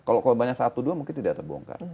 kalau korbannya satu dua mungkin tidak terbongkar